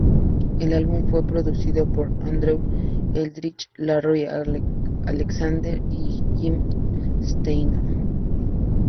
El álbum fue producido por Andrew Eldritch, Larry Alexander y Jim Steinman.